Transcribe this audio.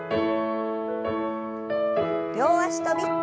両脚跳び。